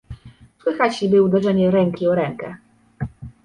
"Słychać niby uderzenie ręki o rękę."